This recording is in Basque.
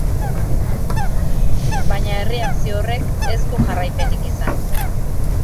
Baina erreakzio horrek ez du jarraipenik izan.